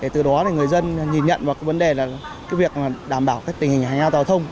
từ đó người dân nhìn nhận vấn đề là việc đảm bảo tình hình hành hạng giao thông